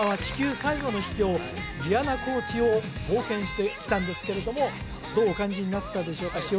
地球最後の秘境ギアナ高地を冒険してきたんですけれどもどうお感じになったでしょうか？